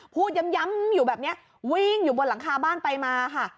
พูดย้ำอยู่แบบนี้วิ่งอยู่บนหลังคาบ้านไปมาค่ะ